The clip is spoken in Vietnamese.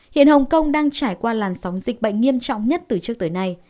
hiện hồng kông đang trải qua làn sóng dịch bệnh nghiêm trọng nhất từ trước tới nay